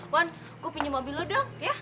wawan gue pinjem mobil lo dong ya